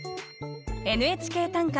「ＮＨＫ短歌」